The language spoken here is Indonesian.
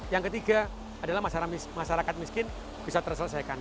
yang ketiga adalah masyarakat miskin bisa terselesaikan